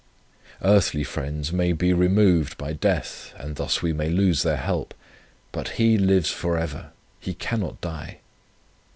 Earthly friends may be removed by death, and thus we may lose their help, but He lives for ever, He cannot die.